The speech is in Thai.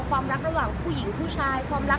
ความรักระหว่างผู้หญิงผู้ชาย